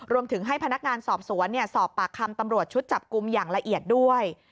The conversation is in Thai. รวมถึงให้พนักงานสอบสวนสอบปากคำตำรวจชุดจับกลุ่มอย่างละเอียดด้วย